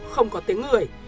không có tiếng người